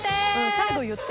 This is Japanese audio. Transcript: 最後言ってる。